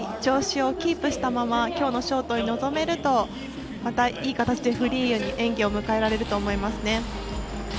いい調子をキープしたままきょうのショートに臨めるといい形でフリーの演技を迎えられると思いますね。